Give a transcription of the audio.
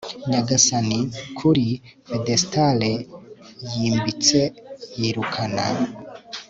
nyagasani kuri pedestale yimbitse yirukana